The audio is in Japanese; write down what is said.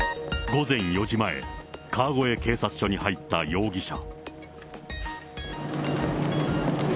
午前４時前、川越警察署に入った容疑者。